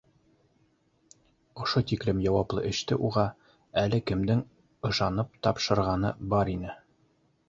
Ошо тиклем яуаплы эште уға әле кемдең ышанып тапшырғаны бар ине?